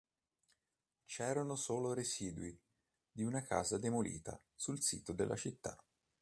C'erano solo residui di una casa demolita sul sito della città.